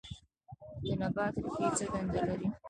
د نبات ریښې څه دنده لري